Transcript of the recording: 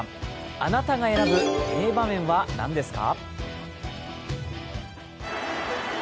あなたが選ぶ名場面は何ですか？